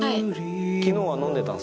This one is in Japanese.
昨日は飲んでたんすか？